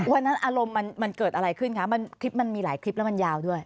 วันนั้นอารมณ์มันเกิดอะไรขึ้นคะมีหลายคลิปแล้วมันยาวด้วย